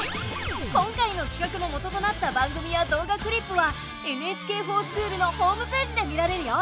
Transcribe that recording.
今回のきかくの元となった番組や動画クリップは「ＮＨＫｆｏｒＳｃｈｏｏｌ」のホームページで見られるよ。